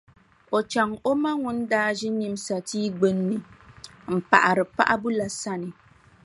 N-chaŋ o ma ŋun daa ʒi nyimsa tia gbunni m-paɣiri paɣibu la sani.